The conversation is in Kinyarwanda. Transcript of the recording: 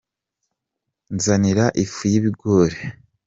Nzanira ifu y'ibigori